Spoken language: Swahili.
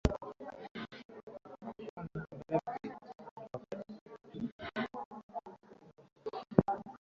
Polisi wa Zimbabwe, siku ya Jumapili walikataa kutoa maoni kuhusu marufuku kwa chama cha umoja wa kitaifa wa Zimbabwe huko Marondera.